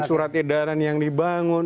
surat edaran yang dibangun